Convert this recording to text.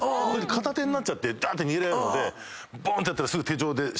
片手になって逃げられるのでぼんってやったらすぐ手錠で。